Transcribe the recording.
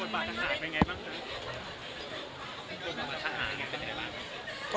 บทบาททางศาลเป็นยังไงบ้างครับ